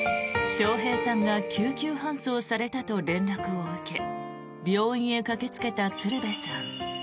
笑瓶さんが救急搬送されたと連絡を受け病院へ駆けつけた鶴瓶さん。